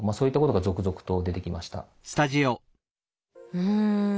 うん。